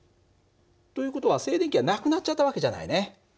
という事は静電気はなくなっちゃった訳じゃないね。